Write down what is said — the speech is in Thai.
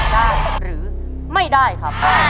ได้หรือไม่ได้ครับ